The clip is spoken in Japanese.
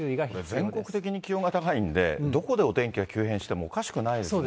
これ、全国的に気温が高いんで、どこでお天気が急変してもおかしくないですよね。